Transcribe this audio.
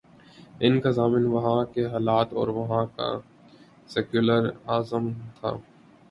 ان کا ضامن وہاں کے حالات اور وہاں کا سیکولر ازم تھا۔